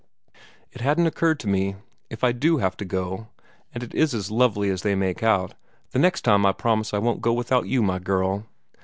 "It hadn't occurred to me. If I do have to go, and it is as lovely as they make out, the next time I promise I won't go without you, my girl.